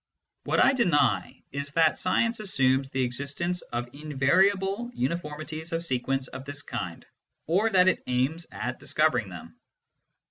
What I deny is that science assumes the existence of invariable uniformities of sequence of this kind, or that it aims at discovering them.